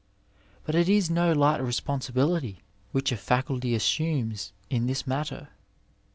But it is no light responsibility which a facully assumes in this matter.